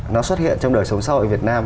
nó xuất hiện trong đời sống sau ở việt nam